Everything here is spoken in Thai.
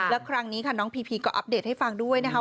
แล้วครั้งนี้ค่ะน้องพีพีก็อัปเดตให้ฟังด้วยนะคะ